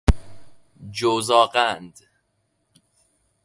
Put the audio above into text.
جوزاغند